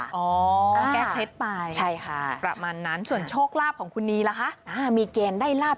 แก้เคล็ดไปใช่ค่ะประมาณนั้นส่วนโชคลาภของคุณนีล่ะคะมีเกณฑ์ได้ลาบ